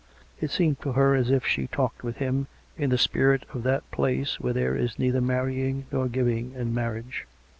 It seemed to her as if she 170 COME RACK! COME ROPE! talked with him in the spirit of that place where there is neither marrying nor giving in marriage.